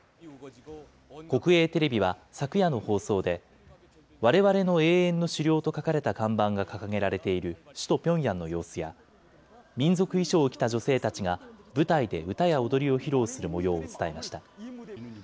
国営テレビは昨夜の放送で、われわれの永遠の首領と書かれた看板が掲げられている首都ピョンヤンの様子や、民族衣装を着た女性たちが舞台で歌や踊りを披露するもようを伝えました。